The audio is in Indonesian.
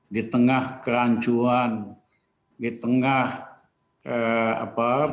di tengah kerancuan di tengah banyak sekali argumen argumen